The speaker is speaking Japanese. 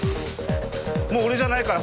もう俺じゃないから。